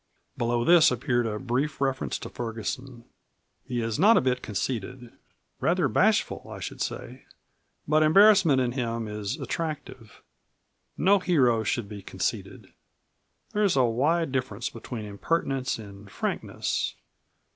Below this appeared a brief reference to Ferguson. "He is not a bit conceited rather bashful, I should say. But embarrassment in him is attractive. No hero should be conceited. There is a wide difference between impertinence and frankness.